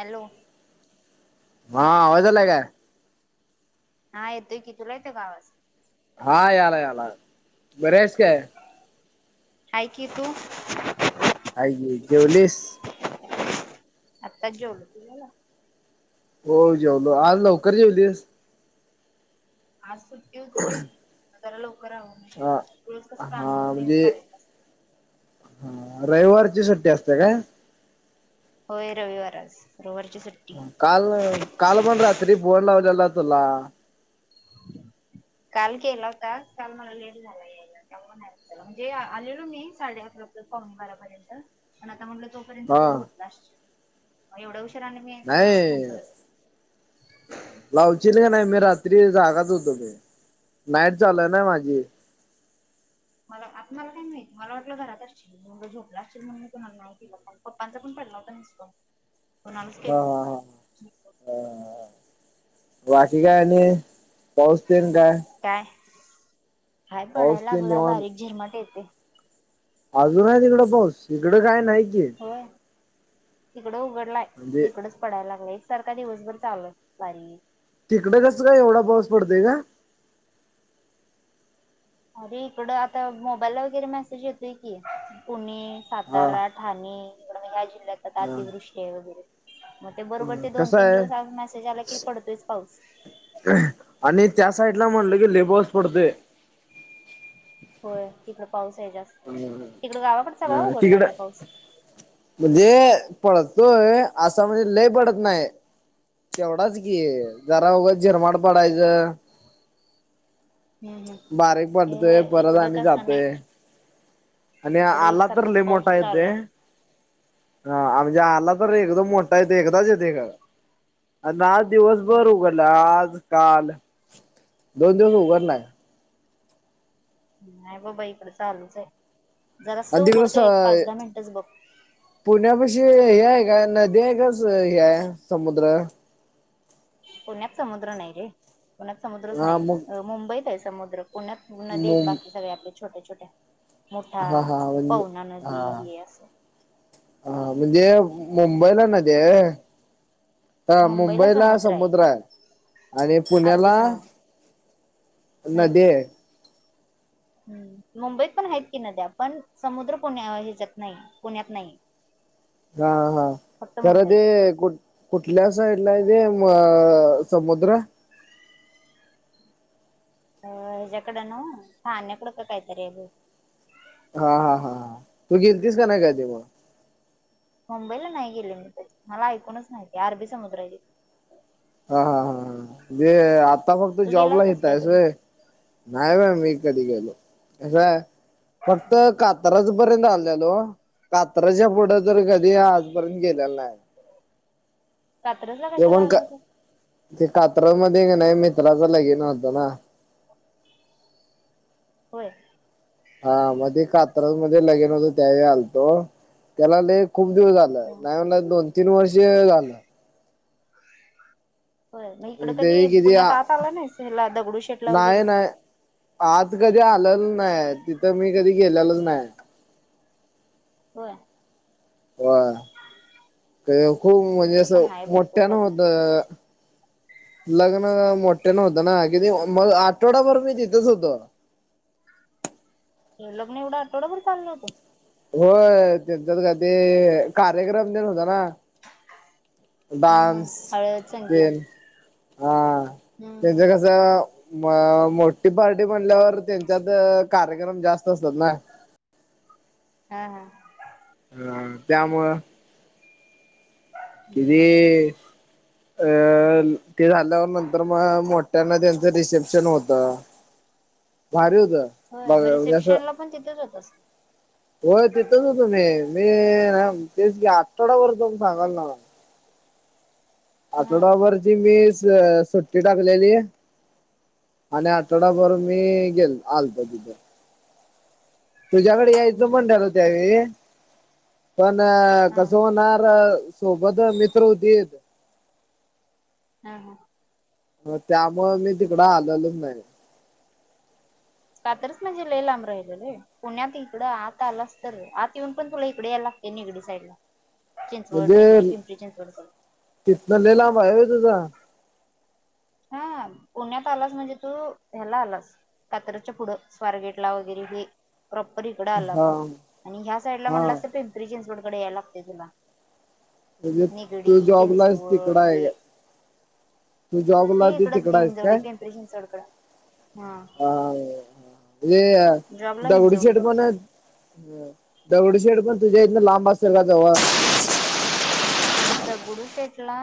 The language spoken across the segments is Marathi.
हॅलो. हा आवाज आलाय काय? हा येतोय की तुला येतं का आवाज? हा यायला यायला बरे आहेसं काय? हाय की तू? काय गं जेवलीस? आताच जेवलो तुझा झाला? हो जेवलो आज लवकर जेवलीस? आज सुट्टी होती रे मग जरा लवकर आवरलो हा जेवण रोज कसं हा कामावर [unintelligible] म्हणजे करायचा असं. हा रविवारची सुट्टी असते काय? होय रविवारच रविवारची सुट् काल काल पण रात्री फोन लावलेला तुला. काल केला होता काल मला लेट झाला याय [inaudible] म्हणजे आलेलो मी साडे अकरा पर्यंत पावणे बारापर्यंत पण आता म्हटलं तो तो पर्यंत हा. तो झोपला असेल एवढ्या उशीर आणि मी कुणाला फोन नाही करत. लावचील का नाही मी रात्री जागाच होतो की नाईट चालूय ना माझी. मला आत्माला काय माहित मला वाटलं घरात असशील. मिनी म्हणलो झोपला असशील म्हणून मी कुणाला नाय केला फोन पप्पांचा पण पडला होता मिस कॉल. कोणालाच हा केलो नाही हा हा. कॉल. हा हा बाकी काय आणि पाऊस तेन काय? काय हाय पडायला पाऊस तेन लागलाय निवांत. बारीक झिरमट येते. अजून आहे तिकडं पाऊस इकडं काय नाही की. वय तिकडं उघडलाय म्हणजे इकडच पडाय लागलय एकसारख दिवसभर चालूय बारीक तिकडे कसं काय एवढा पाऊस पडतेय गं? अरे इकडं आता मोबाईलला वगैरे मेसेज येतोय की पुणे, हा सातारा ठाणे इकडं हाय जिल्ह्यात [unintelligible] हा. वृष्टी आहे वगैरे म बरोबर ते दोन कसं आहे दिवस आज मेसेज आला की पडतोयच पाऊस. आणि त्या साइड ला म्हणलं की लय पाऊस पडतेय. होय इकडं पाऊस आहे जास्त अ तिकडं गावाकडे सगळा उघडलाय तिकडं काय पाऊस? म्हणजे पडतोय असा म्हणजे लय पडत नाही. तेवढाच की जरा उघं झिरमाड पडायचं. हम्म हम्म. बारीक ए पडतोय हे परत इकडं आणि तसं नाही जातोय. आणि इकडे आला तर एकसारखाच लय पाऊस मोठा येतोय. चालूय. हा म्हणजे आला तर एकदम मोठा येते एकदाच येते गं. आन आज दिवसभर हम्म. उघडला आज काल दोन दिवस उघडलाय. नाय गो बाई इकडे चालूच आहे आणि जरासं उघडतोय एक पाच दहा मिनिटच बघ पुण्या पशी हे हाय काय नदी हाय काय स हे समुद्र? पुण्यात समुद्र नाही रे पुण्यात समुद्रच हा नाही. मग मुंबईत आहे समुद्र पुण्यात. नदी मु बाकी सगळे आपले छोट्या छोट्या. मोठा हा हा हा. [unintelligible] पवना नदी हां. हे असं हा म्हणजे मुंबईला नदी आहे. हा मुंबईला समुद्र हाय. आणि अरबी पुण्याला समुद्र नदी ये. हम्म मुंबईत पण आहेत की, नद्या पण समुद्र पुण्या हिजत नाही पुण्यात नाही. हा हा फक्त खरं ते मुंबईत आहे कुठं. कुठल्या साईडला आहे तेे अ समुद्र. अ हेच्याकड नवं पाण्याकड का काहीतरी आहे. हा हा हा हा तू गेलतीस कणी कधी मग. मुंबईला नाही गेले मी पण, मला ऐकूनच माहितीये अरबीसमुद्र. हा हा हा जे आता फक्त तू गेला जॉबला होतास हित काय हायस कधी व्हयं. नाही बाई मी कधी गेलो, अ फक्त का कात्रच पर्यंत आलेलो. कात्राच्या पुढे तर कधी आजपर्यंत गेलेलो नाय. कात्रजला कशाला पण आला का होतास. ते कात्रज मध्ये कणी मित्राचं लगीन होतं ना. होय. हा मग ते कात्र मध्ये लगिन होतं. त्यावेळी आलतो त्याला लय खूप दिवस झाल. हं. नाही म्हण दोन तीन वर्ष झालं. होय मग इकड ते कधी किती पुण्यात आत आला नाहीस. हेला दगडू शेटला वगैरे. नाही नाही आत कधी आलेल नाही. तिथं मी कधी गेलेलच नाही. होय. व्हय ते खूप हं. म्हणजे इकडं पण असं हाय भरपूर मोठ्या न बघण्यासारखं. होतं. लग्न मोठ्या होतना ना, किती मग आठवडाभर मी तिथंच होतो. लग्न एवढा आठवडाभर चाललं होत. होय तेच्यात काय ते कार्यक्रम तेन होता ना. हम्म हम्म. डान्स हळद, संगीत. तेन हा त्यांच हम्म. कसं. त्यांचं मोठी पार्टी म्हणल्यावर, तेच्यात कार्यक्रम जास्त असत्यात ना. हा हा. ह त्यामुळं. किती. हम्म. अ ते झाल्यावर नंतर मग मोठ्यांन त्यांचं रिसेप्शन होतं. भारी होतं. होय बघ मग म्हणजे असं रिसेप्शन ला पण तिथंच होतास. होय तिथंच होतो. मी मी तेच की आठवडाभर होतो सांगालोय नवं. हा. आठवडाभर ची मी सुट्टी टाकलेली. आणि आठवडाभर मी गेल आलतो तिथं. तुझ्याकडं हम्म यायचं पण हम्म. ठरलं त्यावेळी, पण हा कसं होणार. तर सोबत मित्र होतीत. हा हा. त्यामुळं मी तिकडं आलेलो नाही. कात्रज म्हणजे लई लांब राहिल रे. पुण्यात इकडं आत आलास तर, आत येऊन पण तुला इकड याय लागत नीगडी साईडला. चिंचवड निगडी पिंपरी चिंचवड कड. तिथं लय लांब आहे व्हय तुझा? हां पुण्यात आलास म्हणजे तु हेला आलास कात्रजच्या पुढं, स्वारगेटला वगैरे हे. प्रॉपर इकडं आलं हा आपलं आणि ह्या साइडला हा म्हणलास तर ते पिंपरी चिंचवडकडं याय लागतंय तुला. म्हणजे निगडी, तू जॉबला आहेस चिंचवड तिकडं आहे हे. काय तू ते जॉबला ती इकडच तिकडं आहेस हिंजवडी काय पिंपरी चिंचवडकडं हां. हे जॉबला दगडूशेठ हिंजवडीकडे म्हणत दगडूशेठ पण तुझ्या इथनं लांब असंल का जवळ? दगडूशेठला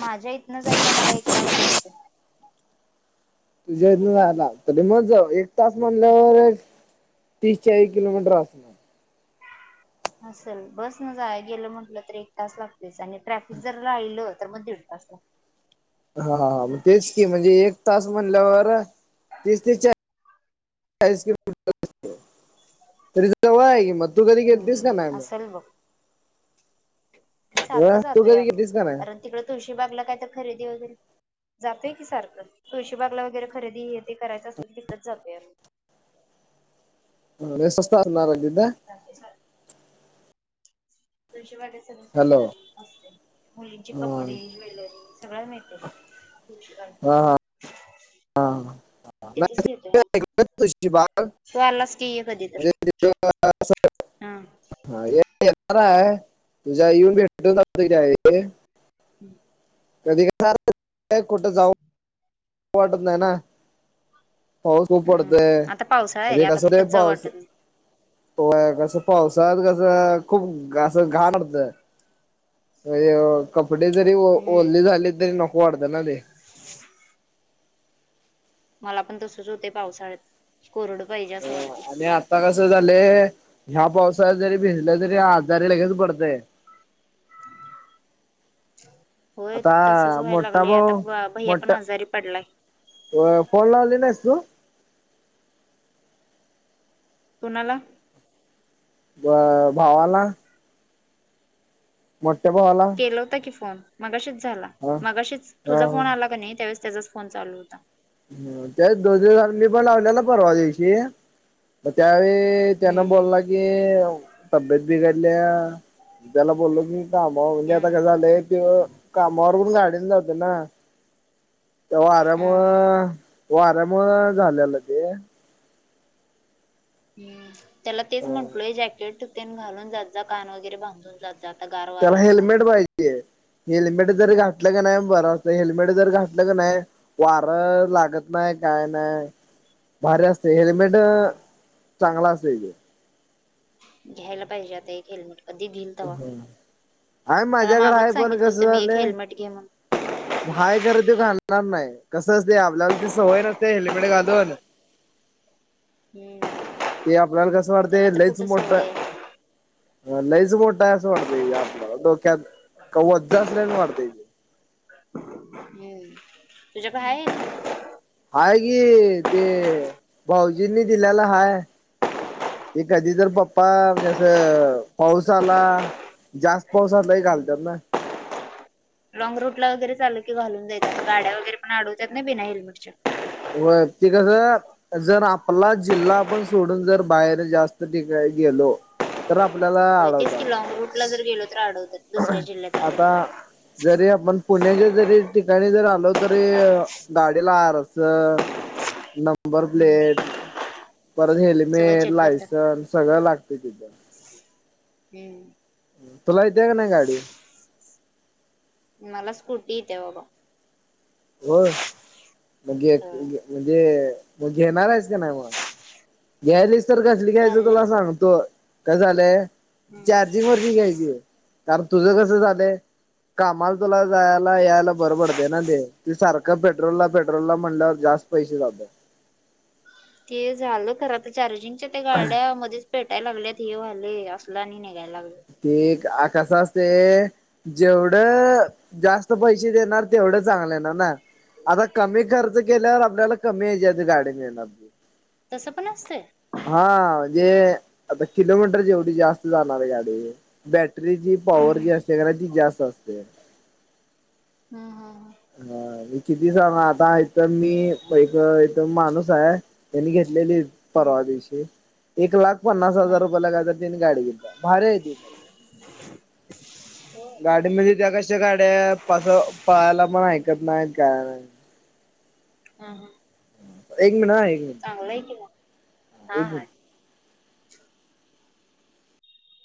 माझ्या इथनं जायला मला एक तास लागतो. तुझ्या इथनं जायला? तरी मग जर एक तास म्हणल्यावर एक तीस चाळीस किलोमीटर असणार. असेल बसनं जायाय गेलं म्हटलं तर एक तास लागतेच आणि ट्रॅफिक जर राहिलं तर मग दीड तास लाग हा हां म तेच की, एक तास म्हणल्यावर तीस ते चा ळीस किलो मीटर होतं. तरी जवळ हाय की मग, तू कधी गेलतीस का नाही हम्म मग? असेल बघ मी सारखं अ तू जातोय कधी आम्ही. गेलतीस का कारण तिकडं तुळशी बागला काय तर खरेदी वगैरे जातोय की सारखं. तुळशी बागला वगैरे खरेदी हे ते करायचं असलं की तिथंच जातोय आम्ही. लय स्वस्त असणार हाय तिथं. [inaudible] तुळशी बागेत सर्व हॅलो स्वस्थ असते. मुलींचे हा कपडे, ज्वेलरीज. सगळं मिळतंय तिथं तुळशी बागे हा. [inaudible] [inaudible] तु आलास की ये कधीतर, हां. हा ये येणार आहे, तुझ्या येऊन भेटतो [inaudible] हं. कधी याचा अर्थ कुठं जाऊ वाटत नाही ना. पाऊस खूप पडतोय, हम्म आता पावसाळा आहे म्हणजे आता कसं रे कुठंच जाऊ पाऊस वाटत नाही होय कसं पावसात कसं खूप असं घाण वाटतं. ह य कपडे जरी हम्म ओले झाले तरी नको वाटतंय ना ते. मला पण तसंच हुतंय पावसाळ्यात. कोरडं पाहिजे अ असं वाटतंय. आणि आता कसं झालंय, ह्या पावसात जरी भिजलं तरी आजारी लगेच पडतंय. [inaudible] होय तसंच आता व्हायला मोठा लागलंय, भाऊ आता भैयापण आजारी पडलाय. होय फोन लावली नाहीस तू? कुणाला? ब भावाला? मोठया भावाला. लावला होता की फोन, मगाशीच झाला. हा मगाशीच तुझा हा. फोन आला का नाही, त्यावेळेस त्याचाच फोन चालू होता. ह तेच दोन दिवसा आधी मी पण लावल्याला परवा दिवशी. म त्यावेळी त्यानं हम्म हम्म. बोलला की तब्येत बिघडल्या, त्याला बोलो की कामावर म्हणजे ह आता काय झालंय, त्यो कामावर पण गाडीनं जातोय ना. त्या हा. वाऱ्यामुळं वाऱ्यामुळं झाल्यालं ते. त्याला तेच म्हटलोय जॅकेट तेन घालून जात जा कान वगैरे बांधून जात जा आता गार वारा त्याला असते. हेल्मेट पाहिजे हेल्मेट जर घातलं का नाही बर असत हेल्मेट जर घात क नाही वार लागत नाही काय नाही भारी असते हेल्मेट हेल्मेट चांगला असतय. घ्यायला पाहिजे आता एक हेल्मेट. कधी घेईल तेव्हा आहे त्याला माझ्याकडे आहे मागच पण सांगितलं कसं होतं मी एक झालंय हेल्मेट घे म्हणून. हाय घरात तो घालणार नाही कसं असते आपल्याला ती सवय नसते हेल्मेट घालवून. हम्म [inaudible] ते आपल्याला कस वाटत त्याला तर लईच कुठं मोठ सवय आहे लईच मोठा आहे असं वाटताय आपल्याला डोक्यात वज असल्या वाणी वाटतय. हम्म तुझ्या कड आहे. हाय की ते भाऊजीनी दिलेला हाय. ते कधी तर पप्पा म्हणजे असं पाऊस आला जास्त पाऊस असला की घालतेत ना. लाँग रूटला वगैरे चाल की घालून जायचं गाड्या वगैरे पण आडवतेत ना बिना हेल्मेटच्या. व्हय ती कसं जर आपला जिल्हा आपण सोडून जर बाहेर जास्त ठिकाणी गेलो तर आपल्याला होय तेच की अडवतात लॉंग रूटला जर गेलो तर आडवतेत दुसऱ्या जिल्ह्यात वगैरे आता जरी आपण पुण्याच्या जरी ठिकाणी जर आलो तरी गाडीला आरसं नंबर हम्म. प्लेट सगळं हेल्मेट, लायसन्स सगळं लागतय तिथं. हा हम्म. तुला येत्या काय नाही गाडी. मला स्कूटी येत्या बाबा होय मग हं. म्हणजे मग घेणार आहेस का नाही मग? घ्यायलीच तर कसली घ्यायचं चाललंय. तुला सांगतो काय झालंय? हम्म. चार्जिंग वरची घ्यायची कारण तुझं कसं झालंय. कामाला तुला जायला यायला बरं पडते ना ते त सारख का पेट्रोलला पेट्रोल ला म्हणल्यावर जास्त पैसे जातेत ते झालं आता चार्जिंगच्या त्या गाड्यामध्येच पेटाय लागल्यात हे व्हालय असलं आणि निघायला लागलं. ते आ कस असते जेवढं जास्त पैसे देणार तेवढं चांगलं येणार ना. आता कमी खर्च केल्यावर आपल्याला कमी याच्यात गाडी मिळणार. तसं पण असतंय? हा म्हणजे आता किलोमीटर जेवढी जास्त जाणार आहे गाडी. बॅटरी पॉवर जी असते का नाही ती जास्त असते. हंम्म हंम्म हमं. हा मी किती सांग आता इथ मी एक इथ माणूस आहे. त्यांनी घेतलेली हम्म परवा दिवशी एक लाख पन्नास हजार हम्म रुपयेला किती तर त्यांनी गाडी घेतल्या भारी आहे ती पण. [unintelligible] गाडी म्हणजे त्या कशा गाड्या पास पळायला पण ऐकत नाहीत काय नाही. हम हम एक मिनिट हा एक मिनिट चांगलंय की, मग हा एक मिनिट हा.